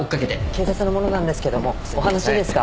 警察の者なんですけどもお話いいですか？